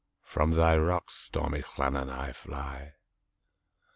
From thy rocks, stormy Llannon, I fly.